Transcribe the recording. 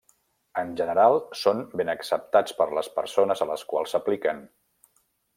En general, són ben acceptats per les persones a les quals s'apliquen.